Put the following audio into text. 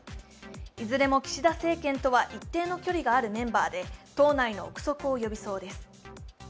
いずれも岸田政権とは一定の距離があるメンバーで党内の憶測を呼びそうです。